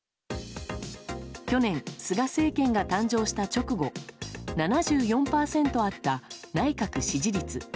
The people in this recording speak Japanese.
去年、菅政権が誕生した直後７４％あった内閣支持率。